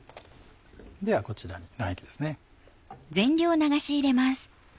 ではこちらに卵液ですね。